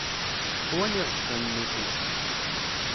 Qwan iɣezzfanen ufus.